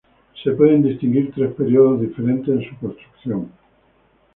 Se pueden distinguir tres periodos diferentes en su construcción.